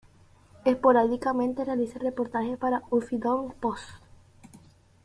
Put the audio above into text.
Esporádicamente realiza reportajes para Huffington Post.